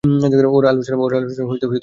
এর আলোচনা পরে আসছে।